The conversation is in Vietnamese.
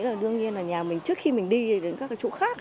tôi nghĩ là đương nhiên là nhà mình trước khi mình đi đến các chỗ khác